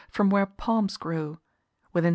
from where palms grow, within 4.